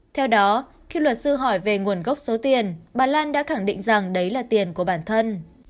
theo đó khi luật sư hỏi về nguồn gốc số tiền bà lan đã khẳng định rằng đấy là tiền của bản thân